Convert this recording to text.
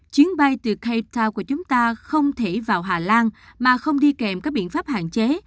chuyến bay từ keo của chúng ta không thể vào hà lan mà không đi kèm các biện pháp hạn chế